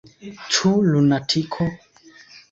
Ĉu lunatiko?